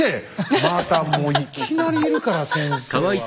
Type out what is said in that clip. またもういきなりいるから先生はもう先生。